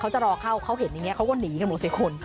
เขาจะรอเข้าเขาเห็นนี่เขาก็หนีกันบนสิทธิ์คน